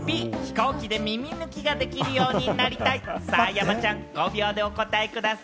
山ちゃん、５秒でお答えください。